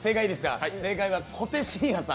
正解は小手伸也さん。